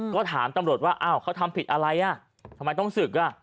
ก็ถามตำรวจว่าอ้าวเขาทำผิดอะไรอ่ะทำไมต้องศึกอ่ะ